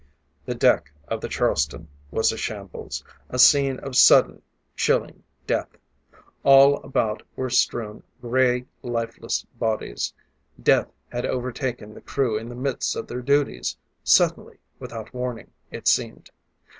The deck of the Charleston was a shambles a scene of sudden, chilling death. All about were strewn gray, lifeless bodies. Death had overtaken the crew in the midst of their duties, suddenly, without warning, it seemed.